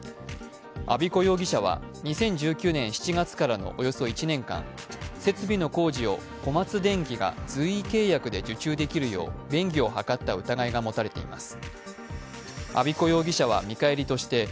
安彦容疑者は２０１９年７月からのおよそ１年間設備の工事を小松電器が随意契約で受注できるよう便宜を図った疑いが持たれています。